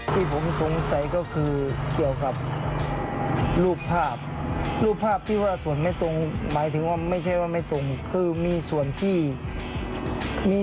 ที่ผมสงสัยก็คือเกี่ยวกับรูปภาพรูปภาพที่ว่าส่วนไม่ตรงหมายถึงว่าไม่ใช่ว่าไม่ตรงคือมีส่วนที่มี